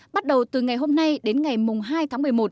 bắt đầu từ ngày hôm nay đến ngày hai tháng một mươi một